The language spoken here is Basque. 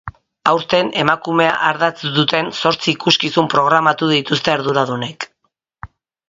Aurten, emakumea ardatz duten zortzi ikuskizun programatu dituzte arduradunek.